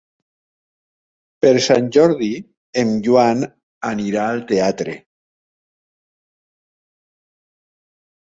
Per Sant Jordi en Joan anirà al teatre.